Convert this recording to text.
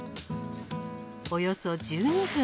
およそ１２分。